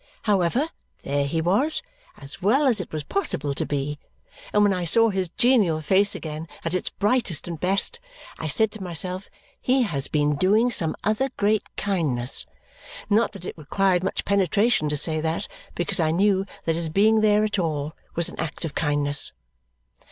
However, there he was, as well as it was possible to be; and when I saw his genial face again at its brightest and best, I said to myself, he has been doing some other great kindness. Not that it required much penetration to say that, because I knew that his being there at all was an act of kindness.